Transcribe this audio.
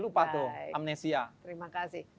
lupa tuh amnesia terima kasih